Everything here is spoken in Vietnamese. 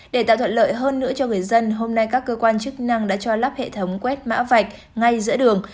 để tạo thuận lợi hơn nữa cho người dân hôm nay các cơ quan chức năng đã cho lắp hệ thống quét mã vạch ngay giữa đường